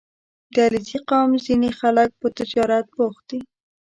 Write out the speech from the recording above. • د علیزي قوم ځینې خلک په تجارت بوخت دي.